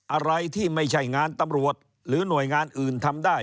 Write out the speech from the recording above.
อะไรที่ไม่ใช่งานตำรวจหรือหน่วยงานอื่นทำได้